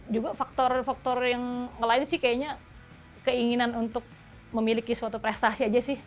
juga faktor faktor yang ngelihat sih kayaknya keinginan untuk memiliki suatu prestasi aja sih